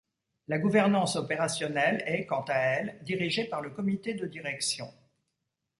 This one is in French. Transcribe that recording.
La gouvernance opérationnelle est, quant à elle, dirigée par le comité de direction.